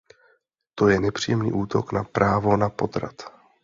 To je nepřímý útok na právo na potrat.